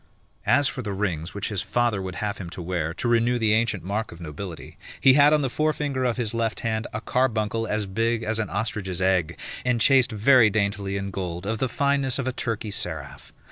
As for the rings which his father would have him to wear, to renew the ancient mark of nobility, he had on the forefinger of his left hand a carbuncle as big as an ostrich's egg, enchased very daintily in gold of the fineness of a Turkey seraph.